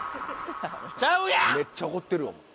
「めっちゃ怒ってるわ」